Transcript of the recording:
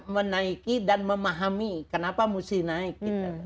menaiki dan memahami kenapa mesti naik